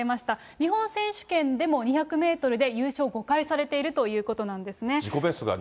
日本選手権でも２００メートルで優勝５回されているということなんですね。